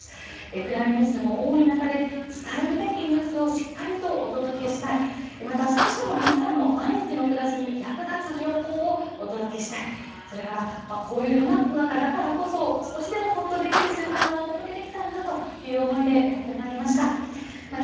暗いニュースも多い中で、伝えるべきニュースをしっかりとお届けしたい、また少しでも皆さんの毎日の暮らしに役立つ情報をお届けしたい、それからこういう世の中だからこそ、少しでもほっとできる瞬間がお届けできたらなという思いでやってまいりました。